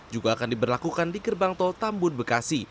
juga akan diberlakukan di gerbang tol tambun bekasi